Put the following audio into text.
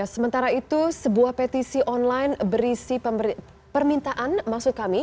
sementara itu sebuah petisi online berisi permintaan maksud kami